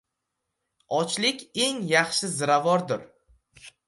• Ochlik ― eng yaxshi ziravordir.